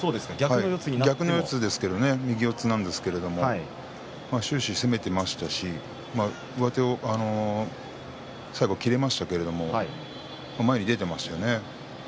逆の四つですけどね、右四つなんですけど終始、攻めていましたし上手を最後、切れましたけど前に出ていましたからね。